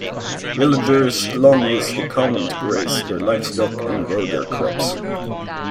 Villagers long used the common to graze their livestock and grow their crops.